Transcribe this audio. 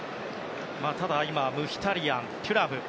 ただ、今ムヒタリアン、テュラム。